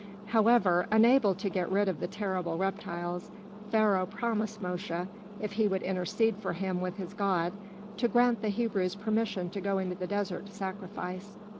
However, unable to get rid of the terrible reptiles, Pharaoh promised Mosche, if he would intercede for him with his God, to grant the Hebrews permission to go into the desert to sacrifice.